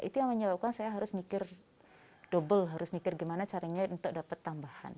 itu yang menyebabkan saya harus mikir double harus mikir gimana caranya untuk dapat tambahan